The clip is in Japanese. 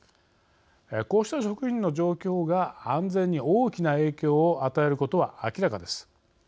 こうした職員の状況が安全に大きな影響を与えることは明らかです。